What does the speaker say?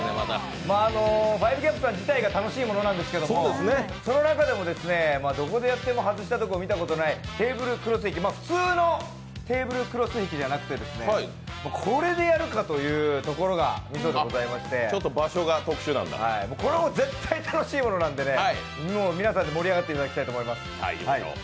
５ＧＡＰさん自体が楽しいものなんですけれども、その中でもどこでやっても外したことを見たことがないテーブルクロス引き、普通のテーブルクロス引きじゃなくてこれでやるかというところがミソでございまして、これは絶対楽しいものなので、皆さんで盛り上がっていただきたいと思います。